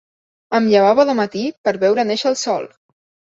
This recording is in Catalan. Em llevava de matí per veure néixer el sol.